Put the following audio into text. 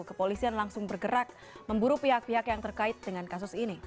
kepolisian langsung bergerak memburu pihak pihak yang terkait dengan kasus ini